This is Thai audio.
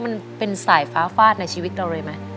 มันเป็นสายฟ้าฟาดในชีวิตเราเลยไหม